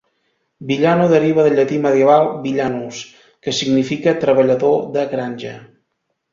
"Villano" deriva del llatí medieval "villanus", que significa "treballador de granja".